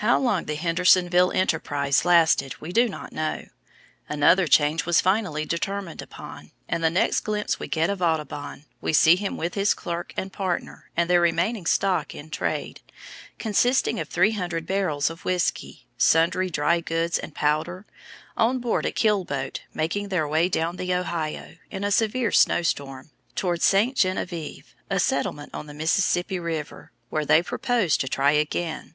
How long the Hendersonville enterprise lasted we do not know. Another change was finally determined upon, and the next glimpse we get of Audubon, we see him with his clerk and partner and their remaining stock in trade, consisting of three hundred barrels of whiskey, sundry dry goods and powder, on board a keel boat making their way down the Ohio, in a severe snow storm, toward St. Geneviève, a settlement on the Mississippi River, where they proposed to try again.